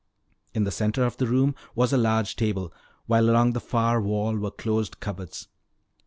In the center of the room was a large table, while along the far wall were closed cupboards.